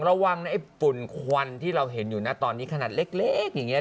ระวังไอ้ฝุ่นควันที่เราเห็นอยู่นะตอนนี้ขนาดเล็กอย่างนี้